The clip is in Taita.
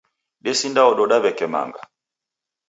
Desindaododa w'eke manga.